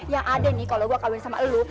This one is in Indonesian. yang ada nih kalau gue kawin sama lu